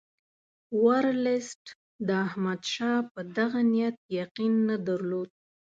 ورلسټ د احمدشاه په دغه نیت یقین نه درلود.